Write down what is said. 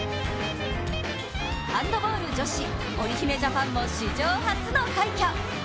ハンドボール女子、おりひめジャパンも史上初の快挙。